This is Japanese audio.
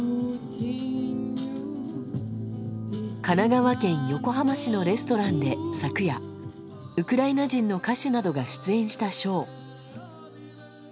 神奈川県横浜市のレストランで昨夜ウクライナ人の歌手などが出演したショー。